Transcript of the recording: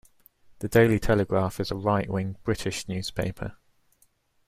The Daily Telegraph is a right-wing British newspaper.